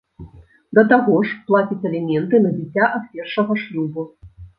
Да таго ж, плаціць аліменты на дзіця ад першага шлюбу.